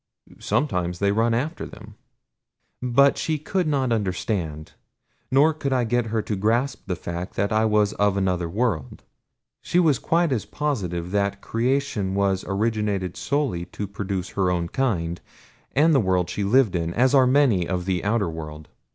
"Sometimes they run after them." But she could not understand. Nor could I get her to grasp the fact that I was of another world. She was quite as positive that creation was originated solely to produce her own kind and the world she lived in as are many of the outer world.